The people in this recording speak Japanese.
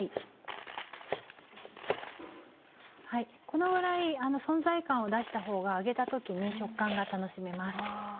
このぐらい存在感を出したほうが揚げた時に食感が楽しめます。